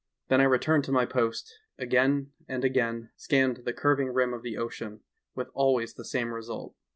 Then I returned to my post and again and again scanned the curving rim of the ocean, with always the same result.